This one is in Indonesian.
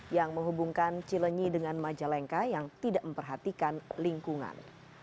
yang menghubungkan cilenyi dengan majalengka yang tidak memperhatikan lingkungan